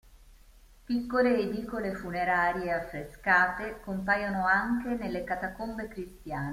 Piccole edicole funerarie affrescate compaiono anche nelle catacombe cristiane.